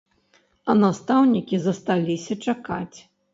А настаўнікі засталіся чакаць.